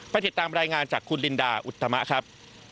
ติดตามรายงานจากคุณลินดาอุตมะครับ